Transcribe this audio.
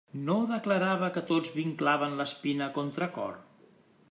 No declarava que tots vinclaven l'espina a contracor?